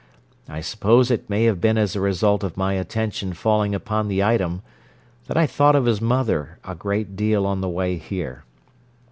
I suppose it may have been as a result of my attention falling upon the item that I thought of his mother a great deal on the way here.